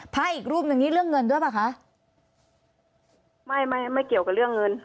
พระอีกรูปหนึ่งนี่เรื่องเงินด้วยป่ะคะไม่ไม่ไม่เกี่ยวกับเรื่องเงิน